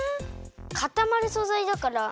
かたまるそざいだから。